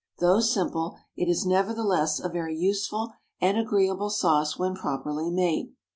Though simple, it is nevertheless a very useful and agreeable sauce when properly made.